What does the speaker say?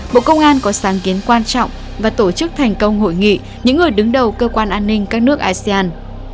bộ công an có sáng kiến quan trọng và tổ chức thành công hội nghị những người đứng đầu cơ quan an ninh các nước asean